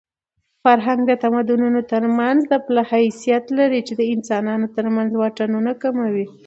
فرهنګ د تمدنونو ترمنځ د پله حیثیت لري چې د انسانانو ترمنځ واټنونه کموي.